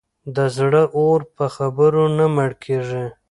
د زړه اور په خبرو نه مړ کېږي.